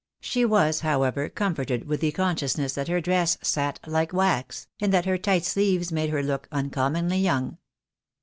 She was, however, comforted with the consciousness that her dress " sat like wax," and that her tight sleeves made her look uncommonly young.